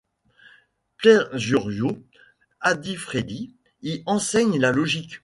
Piergiorgio Odifreddi y enseigne la logique.